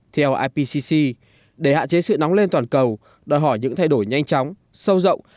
theo ipc để hạn chế sự nóng lên toàn cầu đòi hỏi những thay đổi nhanh chóng sâu rộng